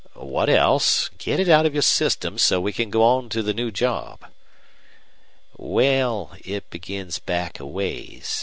"What else? Get it out of your system so we can go on to the new job." "Well, it begins back a ways.